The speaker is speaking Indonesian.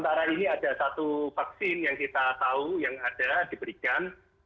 sementara ini ada satu vaksin yang kita tahu yang ada diberikan